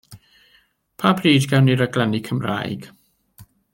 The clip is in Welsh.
Pa bryd gawn ni raglenni Cymraeg?